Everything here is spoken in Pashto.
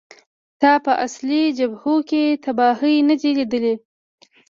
تا په اصلي جبهو کې تباهۍ نه دي لیدلې